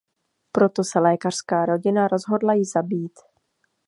Proto se lékařská rodina rozhodla ji zabít.